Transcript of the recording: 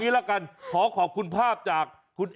คิดต้องเธอว่าให้คุณ